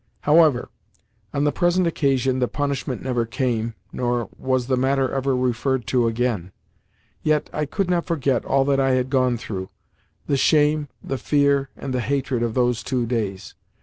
However, on the present occasion the punishment never came, nor was the matter ever referred to again. Yet, I could not forget all that I had gone through—the shame, the fear, and the hatred of those two days.